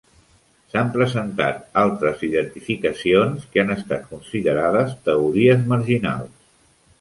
S'han presentat altres identificacions que han estat considerades teories marginals.